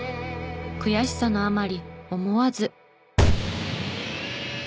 悔しさのあまり思わず。